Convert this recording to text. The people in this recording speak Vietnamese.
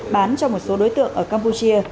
bán cho một số đối tượng ở campuchia